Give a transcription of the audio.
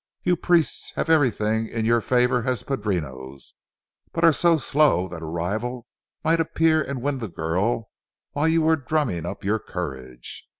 You priests have everything in your favor as padrinos, but you are so slow that a rival might appear and win the girl while you were drumming up your courage.